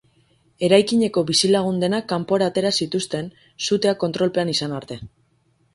Eraikineko bizilagun denak kanpora atera zituzten, sutea kontrolpean izan arte.